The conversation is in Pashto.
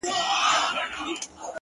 را ژوندی سوی يم؛ اساس يمه احساس يمه؛